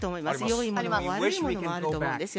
いいものも悪いものもあると思うんですよ。